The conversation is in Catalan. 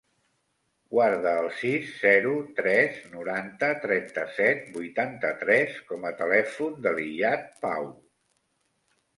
Guarda el sis, zero, tres, noranta, trenta-set, vuitanta-tres com a telèfon de l'Iyad Pau.